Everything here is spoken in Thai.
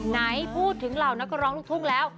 ไหนพูดถึงเหล่านักร้องลูกทุ่งแล้ว